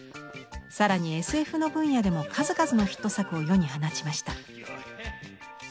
さらにＳＦの分野でも数々のヒット作を世に放ちました。